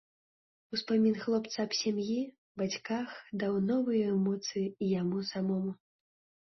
Успамін хлопца аб сям'і, бацьках даў новую эмоцыю і яму самому.